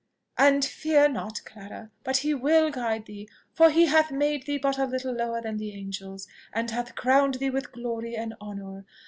"And fear not, Clara, but he will guide thee! for he hath made thee but a little lower than the angels, and hath crowned thee with glory and honour.